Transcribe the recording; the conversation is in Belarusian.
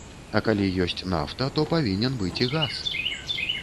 А калі ёсць нафта, то павінен быць і газ.